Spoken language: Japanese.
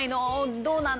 どうなの？」